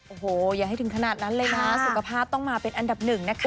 โอ้โหอย่าให้ถึงขนาดนั้นเลยนะสุขภาพต้องมาเป็นอันดับหนึ่งนะคะ